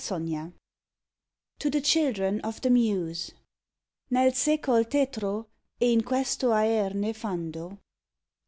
XX TO THE CHILDREN OF THE MUSE "Nel secol tetro e in questo aer nefando."